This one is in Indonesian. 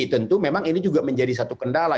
tentu memang ini juga menjadi satu kendala